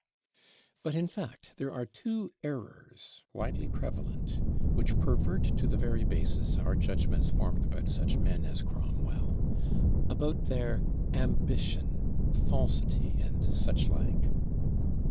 But in fact there are two errors, widely prevalent, which pervert to the very basis our judgments formed about such men as Cromwell; about their "ambition," "falsity," and suchlike.